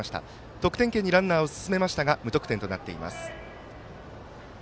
得点圏にランナーを進めましたが無得点となっています。